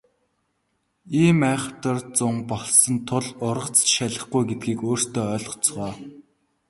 Иймд айхавтар зун болсон тул ургац ч шалихгүй гэдгийг өөрсдөө ойлгоцгоо.